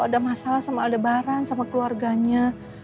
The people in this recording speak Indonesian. ada masalah sama lebaran sama keluarganya